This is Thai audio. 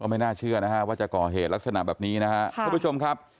ไม่น่าเชื่อนะฮะว่าจะก่อเหตุลักษณะแบบนี้นะครับทุกผู้ชมครับ